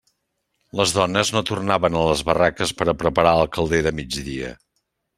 Les dones no tornaven a les barraques per a preparar el calder de migdia.